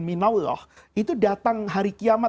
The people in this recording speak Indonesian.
itu datang hari kiamat